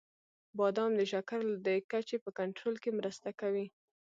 • بادام د شکر د کچې په کنټرول کې مرسته کوي.